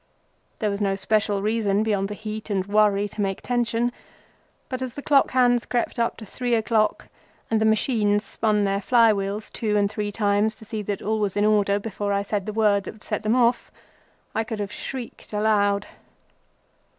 There was no special reason beyond the heat and worry to make tension, but, as the clock hands crept up to three o'clock and the machines spun their fly wheels two and three times to see that all was in order, before I said the word that would set them off, I could have shrieked aloud.